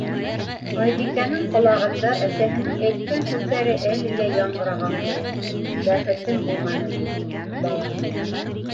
Айбикәнең ҡолағында әсәһенең әйткән һүҙҙәре әле лә яңғыраған кеүек: - Бәхетең булманы бит, балам.